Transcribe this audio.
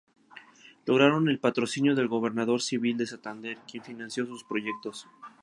Lograron el patrocinio del gobernador civil de Santander, quien financió sus proyectos.